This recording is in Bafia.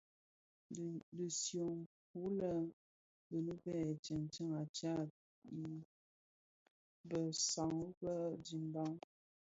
Dhi nshyom wu le Benue bè tsuňtsuň a Tchad bi an san a dimbag.